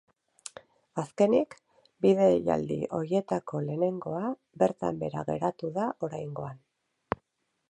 Azkenik, bi deialdi horietako lehenengoa bertan behera geratu da oraingoan.